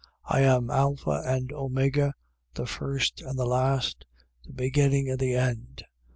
22:13. I am Alpha and Omega, the First and the Last, the Beginning and the End.